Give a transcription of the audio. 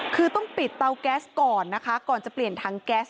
คือต้องปิดเตาแก๊สก่อนนะคะก่อนจะเปลี่ยนถังแก๊ส